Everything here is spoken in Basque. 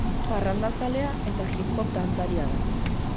Parrandazalea eta hip hop dantzaria da.